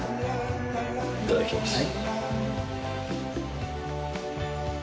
いただきます。